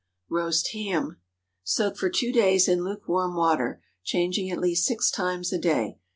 ROAST HAM. Soak for two days in lukewarm water, changing at least six times a day.